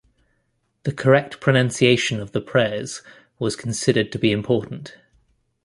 The correct pronunciation of the prayers was considered to be important.